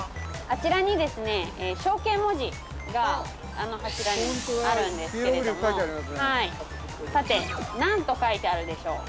あちらに象形文字があの柱にあるんですけれどもさて、何と書いてあるでしょう。